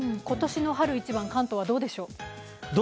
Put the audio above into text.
今年の春一番、関東はどうでしょう？